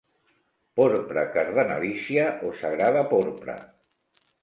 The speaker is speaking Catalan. Porpra cardenalícia o sagrada porpra.